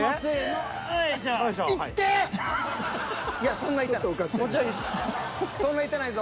そんな痛ないぞ。